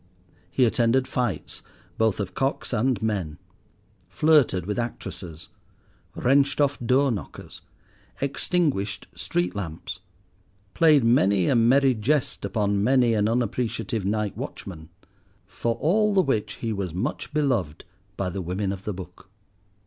He attended fights, both of cocks and men, flirted with actresses, wrenched off door knockers, extinguished street lamps, played many a merry jest upon many an unappreciative night watch man. For all the which he was much beloved by the women of the book.